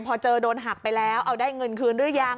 พอเจอโดนหักไปแล้วเอาได้เงินคืนหรือยัง